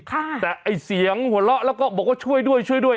ค่ะแต่ไอ้เสียงหัวเลาะแล้วก็บอกว่าช่วยด้วย